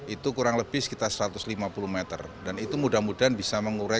itu kurang lebih sekitar satu ratus lima puluh meter dan itu mudah mudahan bisa mengurai